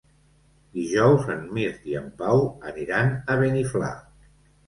Dijous en Mirt i en Pau aniran a Beniflà.